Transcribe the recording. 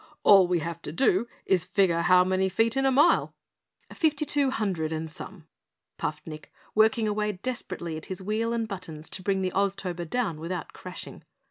"All we have to do is figure how many feet in a mile." "Fifty two hundred and some," puffed Nick, working away desperately at his wheel and buttons to bring the Oztober down without crashing.